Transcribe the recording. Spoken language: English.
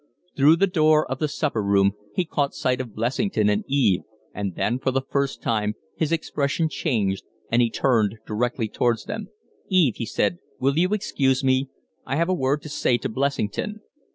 Through the door of the supper room he caught sight of Blessington and Eve, and then for the first time his expression changed, and he turned directly towards them. "Eve," he said, "will you excuse me? I have a word to say to Blessington."